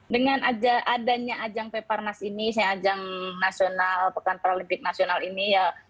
dengan adanya ajang peparnas ini ajang nasional pekan paralimpik nasional ini ya